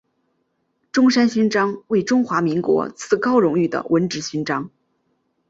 中山勋章为中华民国次高荣誉的文职勋章。